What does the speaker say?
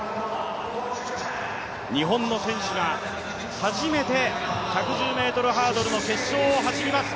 日本の選手が、初めて１１０ｍハードルの決勝を走ります。